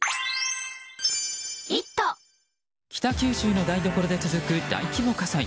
北九州の台所で続く大規模火災。